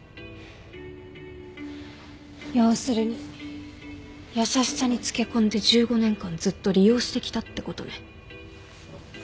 要するに優しさにつけ込んで１５年間ずっと利用してきたってことね。